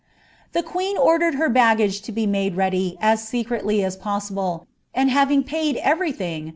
" The queen ordered her baggage to be made ready as aecretlv as pos* ■ible, and having paid everytMng.